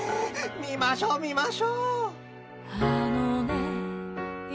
見ましょう見ましょう！］